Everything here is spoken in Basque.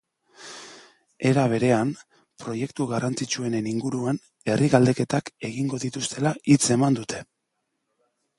Era berean, proiektu garrantzitsuenen inguruan herri-galdeketak egingo dituztela hitz eman dute.